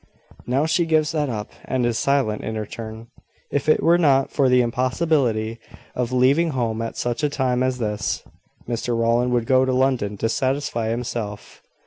Now she gives that up, and is silent in her turn. If it were not for the impossibility of leaving home at such a time as this, Mr Rowland would go to London to satisfy himself.